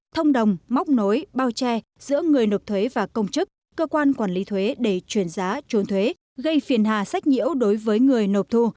thông đồng móc nối bao che giữa người nộp thuế và công chức cơ quan quản lý thuế để chuyển giá trốn thuế gây phiền hà sách nhiễu đối với người nộp thu